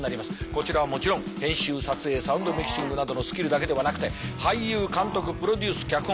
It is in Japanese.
こちらはもちろん編集撮影サウンドミキシングなどのスキルだけではなくて俳優監督プロデュース脚本